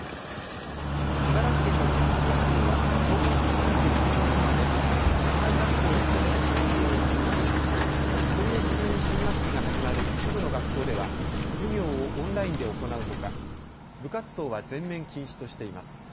茨城県の県立学校は今月３１日まで課外活動を含めて登校を中止し今月中に新学期が始まる一部の学校では授業をオンラインで行うほか部活動は全面禁止としています。